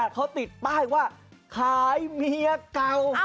เขาติดป้ายว่าขายเมียเก่า